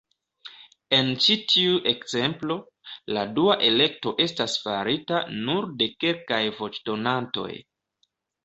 En ĉi tiu ekzemplo, la dua elekto estas farita nur de kelkaj voĉdonantoj.